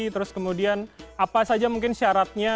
terus kemudian apa saja mungkin syaratnya